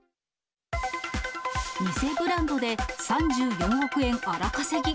偽ブランドで３４億円荒稼ぎ。